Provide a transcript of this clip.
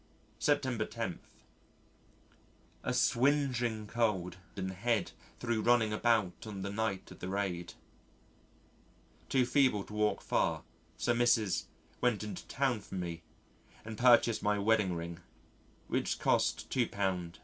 September 10. A swingeing cold in the head thro' running about on the night of the raid. Too feeble to walk far, so Mrs. went into the town for me and purchased my wedding ring, which cost £2 5s. 0d.